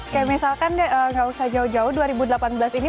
kayak misalkan deh gak usah jauh jauh dua ribu delapan belas ini